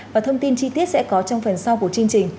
và thông tin chi tiết sẽ có trong phần sau của chương trình